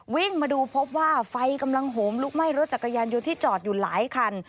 วิ่งมาดูพบว่าไฟกำลังโหมลุกไหม้รถจักรยานยนต์ที่จอดอยู่หลายคัน